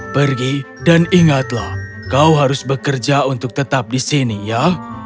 pergi dan ingatlah kau harus bekerja untuk tetap di sini ya